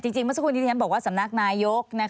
เมื่อสักครู่นี้ที่ฉันบอกว่าสำนักนายก